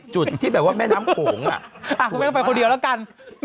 จุดที่แบบว่าแม่น้ำโขงอ่ะอ่ะแม่ก็ไปคนเดียวแล้วกัน